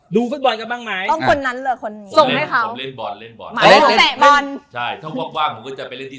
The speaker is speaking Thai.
ดูเฟ็ดบอลกันบ้างมั้ยต้องคนนั้นหรือคนนี้